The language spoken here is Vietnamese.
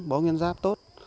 võ nguyên giáp tốt